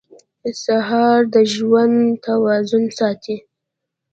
سهار د ژوند توازن ساتي.